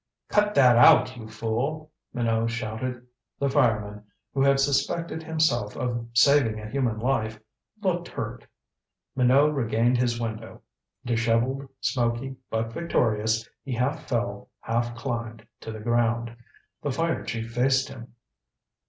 "Cut that out, you fool!" Minot shouted. The fireman, who had suspected himself of saving a human life, looked hurt. Minot regained his window. Disheveled, smoky, but victorious, he half fell, half climbed, to the ground. The fire chief faced him.